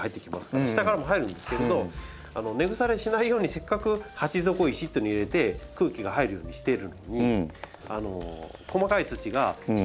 下からも入るんですけれど根腐れしないようにせっかく鉢底石っていうのを入れて空気が入るようにしてるのに細かい土が下に詰まっていくと根腐れする。